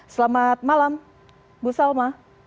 selamat malam bu salma